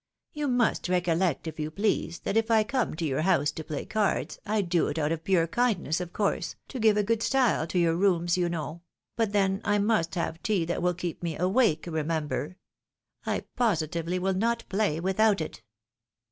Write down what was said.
You must recollect, if you please, that if I come to your house to play cards, I do it out of pure kindness, of course, to give a good style to your rooms, you know — but then I must have tea that will keep me awake, remember. I positively will not play mthout it."